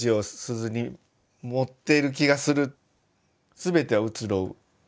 全ては移ろう。